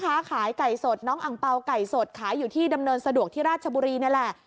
ค้าขายไก่สดน้องอังเปล่าไก่สดขายอยู่ที่ดำเนินสะดวกที่ราชบุรีนี่แหละ